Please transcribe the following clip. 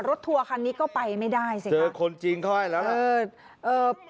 ทัวร์คันนี้ก็ไปไม่ได้สิครับเจอคนจีนเขาให้แล้วล่ะ